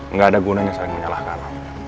nggak ada gunanya saling menyalahkan